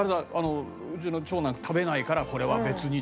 「うちの長男食べないからこれは別に」